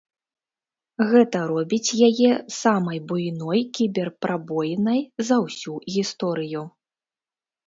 Гэта робіць яе самай буйной кібер-прабоінай за ўсю гісторыю.